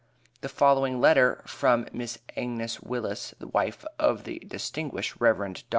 The following letter from Mrs. Agnes Willis, wife of the distinguished Rev. Dr.